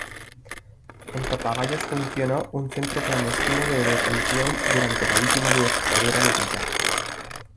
En Papagayos funcionó un Centro Clandestino de Detención durante la última dictadura militar.